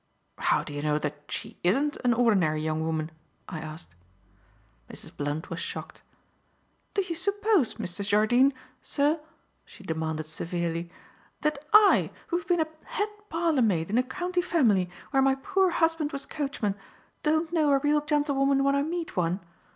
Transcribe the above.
"How do you know that she isn't an ordinary young woman?" I asked. Mrs. Blunt was shocked. "Do you suppose, Mr. Jardine, sir," she demanded severely, "that I who have been a head parlour maid in a county family where my poor husband was coachman, don't know a real gentlewoman when I meet one?